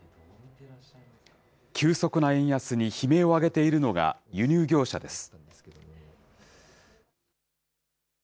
急速な円安に悲鳴を上げているのが輸入業者です。